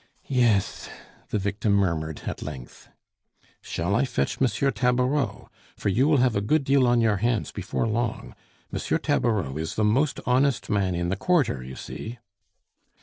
"Yes " the victim murmured at length. "Shall I fetch M. Tabareau? for you will have a good deal on your hands before long. M. Tabareau is the most honest man in the quarter, you see."